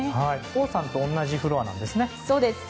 王さんと同じフロアなんですね。